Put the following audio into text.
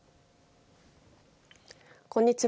こんにちは。